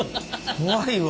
怖いわ。